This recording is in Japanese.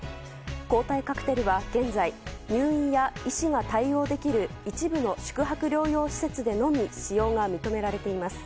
抗体カクテルは現在入院や、医師が対応できる一部の宿泊療養施設でのみ使用が認められています。